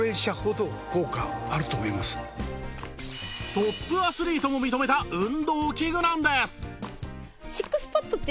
トップアスリートも認めた運動器具なんです